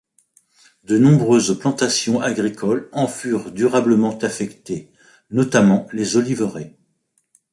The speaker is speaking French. De nombreuses plantations agricoles en furent durablement affectées, notamment les oliveraies.